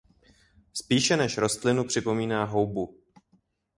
Spíše než rostlinu připomíná houbu.